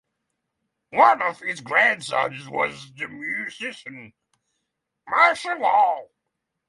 One of his grandsons was the musician Marshall Hall.